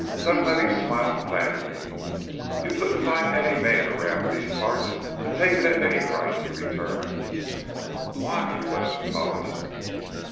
Dunlavey smiled blandly. "You couldn't find any man around these parts to take it at any price," he returned. "Why?" questioned Hollis.